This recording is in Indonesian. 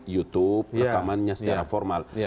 youtube rekamannya secara formal